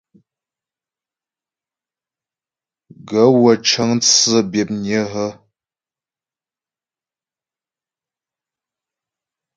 Gaə̂ wə́ cə́ŋ tsə́ byə̌pnƴə́ hə́ ?